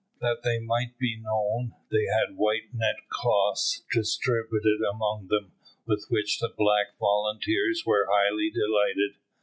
That they might be known, they had white neckcloths distributed among them, with which the black volunteers were highly delighted.